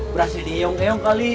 berhasil diiong iong kali